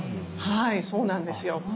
はいそうなんですよ。